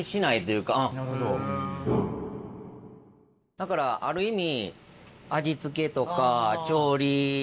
だからある意味。